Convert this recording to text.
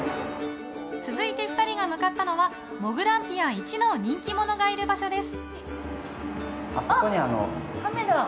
続いて２人が向かったのはもぐらんぴあいちの人気者がいる場所です。